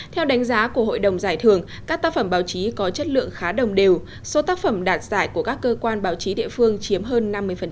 theo đánh giá của hội đồng giải thưởng các tác phẩm báo chí có chất lượng khá đồng đều số tác phẩm đạt giải của các cơ quan báo chí địa phương chiếm hơn năm mươi